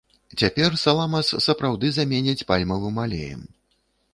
Цяпер саламас сапраўды заменяць пальмавым алеем.